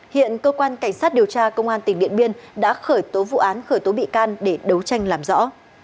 hiện cơ quan cảnh sát điều tra công an tỉnh điện biên đã khởi tố vụ án khởi tố bị can để đấu tranh làm rõ